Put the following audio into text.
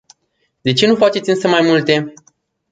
De ce nu faceți însă mai multe?